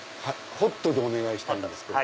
ホットでお願いしたいんですけど。